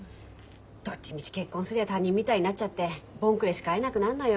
どっちみち結婚すりゃ他人みたいになっちゃって盆暮れしか会えなくなるのよ。